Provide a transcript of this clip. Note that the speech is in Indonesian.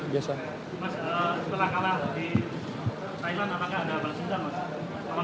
mas setelah kalah di thailand apakah ada balasan mas